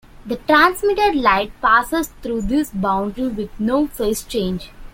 The transmitted light passes through this boundary with no phase change.